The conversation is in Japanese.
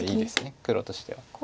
黒としては。